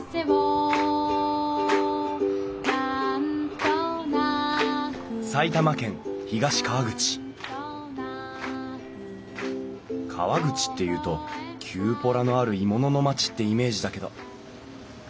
それは埼玉県東川口川口っていうと「キューポラのある鋳物の町」ってイメージだけど